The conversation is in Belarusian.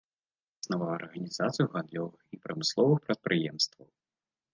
Заснаваў арганізацыю гандлёвых і прамысловых прадпрыемстваў.